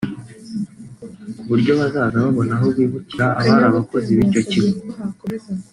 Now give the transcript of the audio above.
kuburyo bazajya babona aho bibukira abari abakozi bicyo kigo